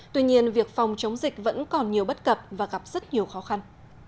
tuy nhiên việc phòng chống dịch vẫn còn nhiều bất cập và gặp rất nhiều khó khăn